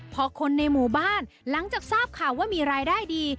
พอคนในหมู่บ้านหลังจากทราบข่าวว่ามีรายได้ดี